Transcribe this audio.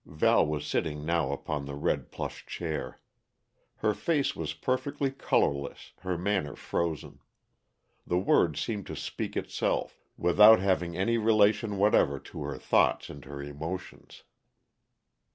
Val was sitting now upon the red plush chair. Her face was perfectly colorless, her manner frozen. The word seemed to speak itself, without having any relation whatever to her thoughts and her emotions.